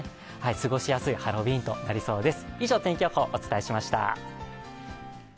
過ごしやすいハロウィーンとなりそうです。